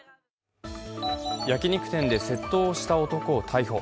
焼き肉店で窃盗をした男を逮捕。